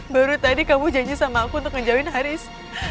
baru tadi kamu janji sama aku untuk ngejawain haris